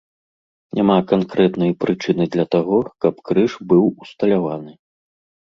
Няма канкрэтнай прычыны для таго, каб крыж быў усталяваны.